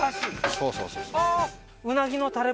そうそうそうそうあっ